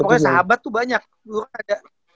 pokoknya sahabat tuh banyak dulu ada